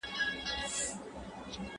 ¬ له بارانه وﻻړ سوې، تر ناوې لاندي کښېنستې.